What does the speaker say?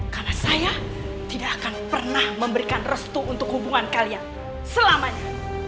karena saya tidak akan pernah memberikan restu untuk hubungan kalian selamanya